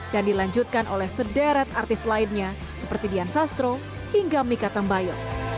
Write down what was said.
dan dilanjutkan oleh sederet artis lainnya seperti dian sastro hingga mika tambayo